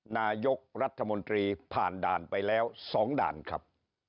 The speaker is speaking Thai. นายกรัฐมนตรีผ่านด่านไปแล้ว๒ด่านครับ